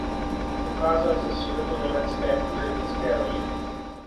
Pocházel ze sudetoněmecké úřednické rodiny.